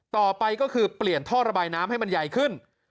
ต่อไปก็คือเปลี่ยนท่อระบายน้ำให้มันใหญ่ขึ้น